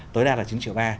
tối đa là chín triệu ba